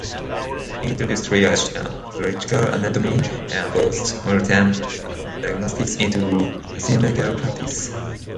He introduced triage, pathological anatomy, and post mortem diagnostics into Russian medical practice.